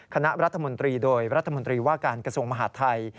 คณะรัฐมนตรีโดยรัฐมนตรีว่าการกระทรวงมหาดไทย